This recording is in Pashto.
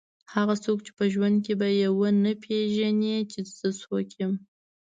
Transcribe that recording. هغه څوک چې په ژوند کې به یې ونه پېژني چې زه څوک یم.